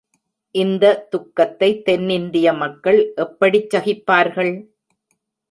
இந்ததுக்கத்தைத் தென்னிந்திய மக்கள் எப்படிச்சகிப்பார்கள்?